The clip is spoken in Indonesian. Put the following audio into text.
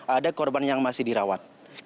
ada korban yang masih dirawat